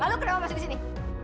lalu kenapa masih kesini